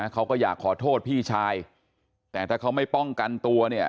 เขาก็อยากขอโทษพี่ชายแต่ถ้าเขาไม่ป้องกันตัวเนี่ย